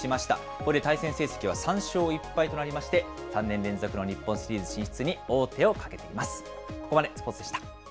これで対戦成績は３勝１敗となりまして、３年連続の日本シリーズ進出に王手をかけています。